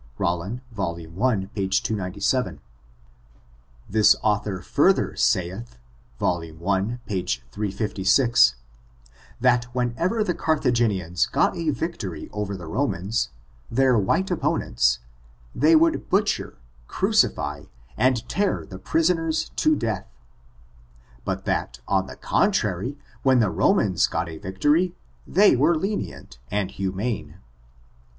— RolHn, vol. i, p. 297. This author further saith, vol. i, page 356, that whenever the Garthagenians got a victory over the Romans, their white opponents, they woald butcher, crucify, and tear the prisoners to death ; but that, on the contrary, when the Romans got a victory, they were lenient and humane.